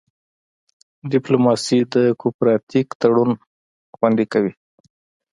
ډیپلوماسي د کوپراتیف تړون خوندي کوي